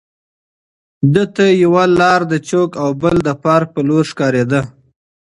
ده ته یوه لار د چوک او بله د پارک په لور ښکارېده.